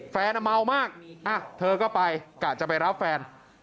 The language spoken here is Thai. เมามากเธอก็ไปกะจะไปรับแฟน